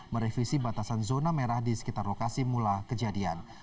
merevisi batasan zona merah di sekitar lokasi mula kejadian